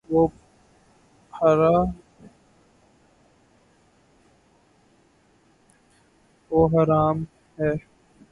وہ ہرا م ہے